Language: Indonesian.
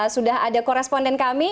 sudah ada koresponden kami